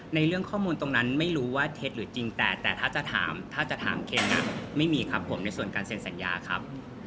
ในเรื่องข้อมูลตรงนั้นไม่รู้ว่าเท็จหรือจริงแต่แต่ถ้าจะถามถ้าจะถามเคนไม่มีครับผมในส่วนการเซ็นสัญญาครับ